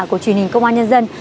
của truyền hình công an nhân dân